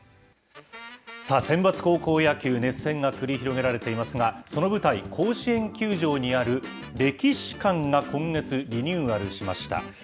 センバツ高校野球、熱戦が繰り広げられていますが、その舞台、甲子園球場にある歴史館が、今月リニューアルしました。